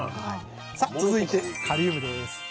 さあ続いてカリウムです。